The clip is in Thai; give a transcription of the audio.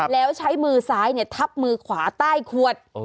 แล้วใช้มือซ้ายทับมือขวาใต้ขวด